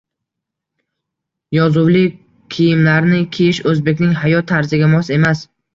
Yozuvli kiyimlarni kiyish oʻzbekning hayot tarziga mos emas.